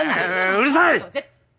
うるさい！